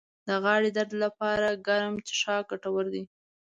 د غاړې درد لپاره ګرم څښاک ګټور دی